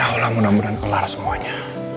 insya allah mudah mudahan kelar semuanya